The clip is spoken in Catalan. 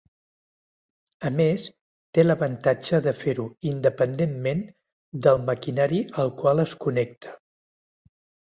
A més té l'avantatge de fer-ho independentment del maquinari al qual es connecta.